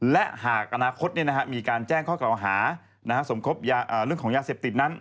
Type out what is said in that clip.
และหากอนาคตมีการแจ้งข้อกล่าวหาสมคบเรื่องของยาเสพติดนั้น